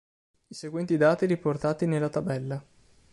I seguenti dati riportati nella tabella